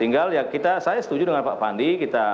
tinggal ya saya setuju dengan pak pandi